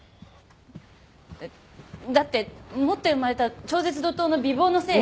えっだって持って生まれた超絶怒濤の美貌のせいよ。